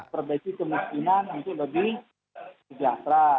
memperbaiki kemungkinan untuk lebih sejahtera